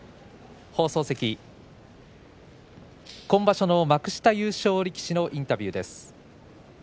今場所の幕下優勝力士のインタビューです。